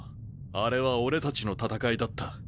あれは俺たちの戦いだった。